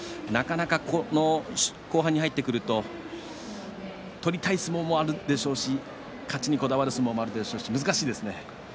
後半に入ってくると取りたい相撲もあるでしょうし勝ちにこだわる相撲もあるでしょうし難しいですね。